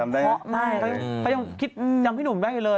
เขายังจำพี่หนุ่มได้เลย